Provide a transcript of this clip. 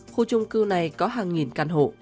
khu trung cư này có hàng nghìn căn hộ